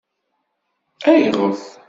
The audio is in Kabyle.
Ayɣef?